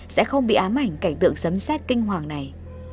sẽ không bị ám ảnh cảnh tượng sấm xét kinh hoàng này